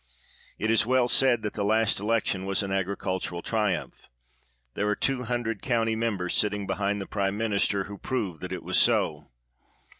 It is well said that the last election was an agricultural triumph. There are two hundred county members sitting behind the prime minister who prove that it was so.